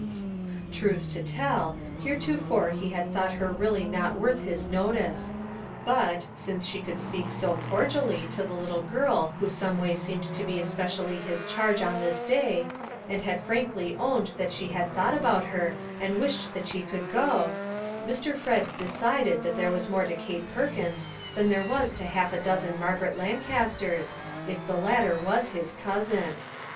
212 WHITE DRESSES Truth to tell, heretofore he had thought her really not worth his notice ; but, since she could speak so cordially to the little girl who some way seemed to be especially his charge on this day, and had frankly owned that she had thought about her and wished that she could go, Mr. Fred decided that there was more to Kate Perkins than there was to half a dozen Margaret Lancasters, if the latter was his cousin.